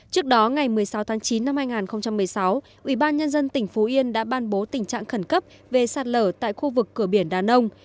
trước đó ngày một mươi sáu tháng chín năm hai nghìn một mươi sáu ubnd tỉnh phú yên đã ban bố tình trạng khẩn cấp về sạt lở tại khu vực cửa biển đà nông